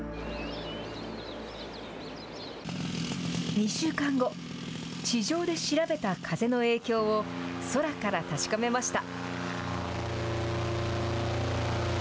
２週間後、地上で調べた風の影響を、空から確かめました。